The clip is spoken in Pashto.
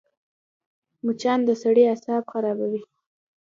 مچان د سړي اعصاب خرابوي